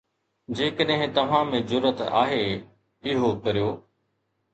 جيڪڏهن توهان ۾ جرئت آهي، اهو ڪريو